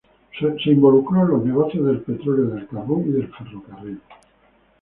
Se involucró en los negocios del petróleo, del carbón y del ferrocarril.